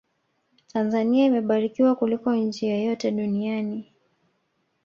tanzania imebarikiwa kuliko nchi yoyote duniani